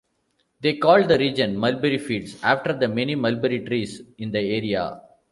They called the region "Mulberry Fields", after the many mulberry trees in the area.